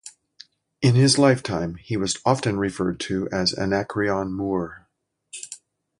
In his lifetime he was often referred to as Anacreon Moore.